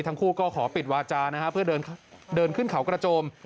ทั้งคู่ก็ขอปิดวาจาให้เดินขึ้นขาวกระจม